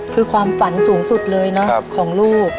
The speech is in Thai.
คือความฝันสูงสุดเลยเนอะของลูก